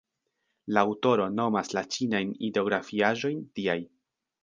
La aŭtoro nomas la ĉinajn ideografiaĵojn tiaj.